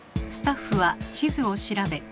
スタッフは地図を調べ